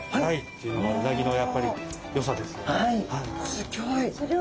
すギョい！